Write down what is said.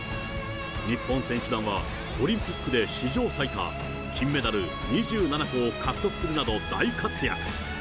日本選手団はオリンピックで史上最多、金メダル２７個を獲得するなど大活躍。